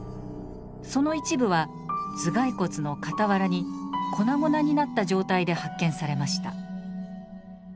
その一部は頭蓋骨の傍らに粉々になった状態で発見されました。